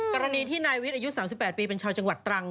กรณีที่นายวิทย์อายุ๓๘ปีเป็นชาวจังหวัดตรัง